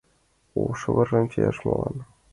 Ош шовырым чияш — молан?